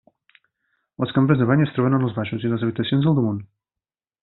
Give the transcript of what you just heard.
Les cambres de bany es troben en els baixos i les habitacions al damunt.